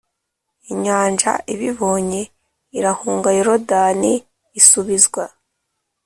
Inyanja ibibonye irahunga Yorodani isubizwa